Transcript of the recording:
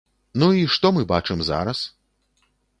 Ну і што мы бачым зараз?